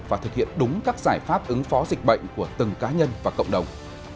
và thực hiện đúng các giải pháp ứng phó dịch bệnh của từng cá nhân và cộng đồng